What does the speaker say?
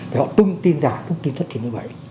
để họ tung tin giả tung tin thất thiện như vậy